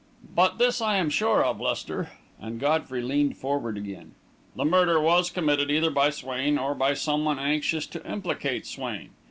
"But this I am sure of, Lester," and Godfrey leaned forward again: "the murder was committed either by Swain or by someone anxious to implicate Swain.